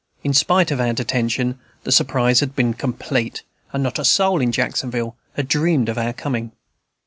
In spite of our detention, the surprise had been complete, and not a soul in Jacksonville had dreamed of our coming.